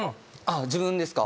自分ですか。